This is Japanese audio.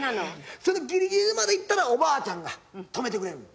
それでギリギリまでいったらおばあちゃんが止めてくれる。